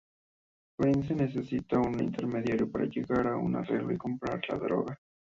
Price necesita un intermediario para llegar a un arreglo y comprar la droga.